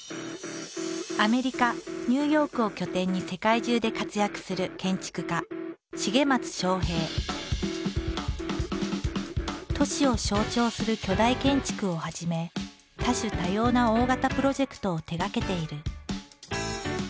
アメリカ・ニューヨークを拠点に世界中で活躍する都市を象徴する巨大建築をはじめ多種多様な大型プロジェクトを手がけている。